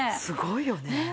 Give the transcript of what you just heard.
すごいよね。